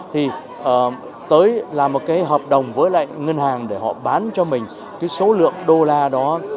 thì tới làm một cái hợp đồng với lại ngân hàng để họ bán cho mình cái số lượng đô la đó